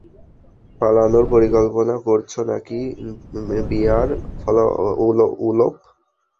পালানোর পরিকল্পনা করছ নাকি, বিয়ার-উলফ?